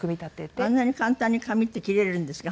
あんなに簡単に紙って切れるんですか？